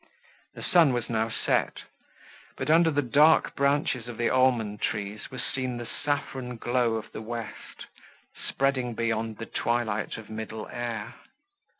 The sun was now set; but, under the dark branches of the almond trees, was seen the saffron glow of the west, spreading beyond the twilight of middle air.